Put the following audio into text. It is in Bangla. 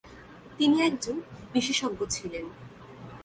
তিনি একজন বিশেষজ্ঞ ছিলেন।